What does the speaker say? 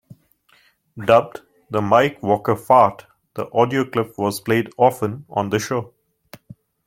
Dubbed the "Mike Walker Fart," the audio clip was played often on the show.